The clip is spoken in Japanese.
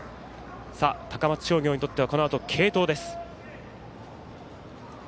高松商業にとってはこのあと継投です。